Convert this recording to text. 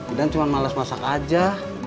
kemudian cuma males masak aja